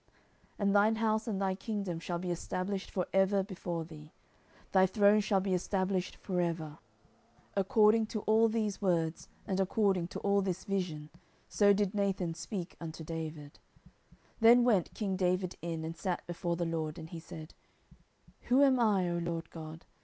10:007:016 And thine house and thy kingdom shall be established for ever before thee: thy throne shall be established for ever. 10:007:017 According to all these words, and according to all this vision, so did Nathan speak unto David. 10:007:018 Then went king David in, and sat before the LORD, and he said, Who am I, O Lord GOD?